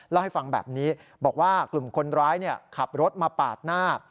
เล่าให้ฟังแบบนี้บอกว่ากลุ่มคนร้ายขับรถมาปาดหน้า